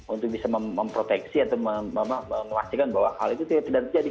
untuk bisa memproteksi atau memastikan bahwa hal itu tidak terjadi